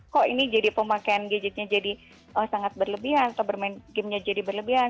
kok ini jadi pemakaian gadgetnya jadi sangat berlebihan atau bermain gamenya jadi berlebihan